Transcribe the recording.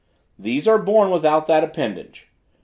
These are born without that appendage.